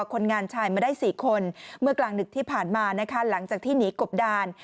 คนงานชายมาได้๔คนเมื่อกลางดึกที่ผ่านมานะคะหลังจากที่หนีกบดาน